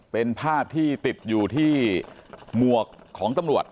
เป็นภาพที่ติดอยู่ที่หมวกของตำรวจ